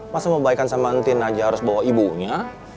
masa mau baikan sama antin aja harus bawa ibunya